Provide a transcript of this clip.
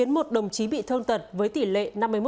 một đồng chí bị thương tật với tỷ lệ năm mươi một